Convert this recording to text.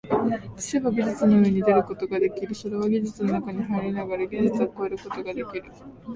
知性は技術の上に出ることができる、それは技術の中に入りながら技術を超えることができる。